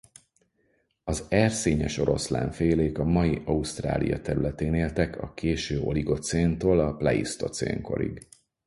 Az erszényesoroszlán-félék a mai Ausztrália területén éltek a késő oligocéntól a pleisztocén korig.